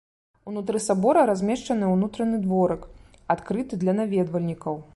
Унутры сабора размешчаны ўнутраны дворык, адкрыты для наведвальнікаў.